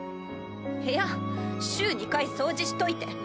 部屋週２回掃除しといて。